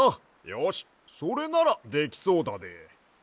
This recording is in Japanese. よしそれならできそうだで。